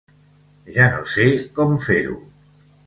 Ja no sé com fer-ho.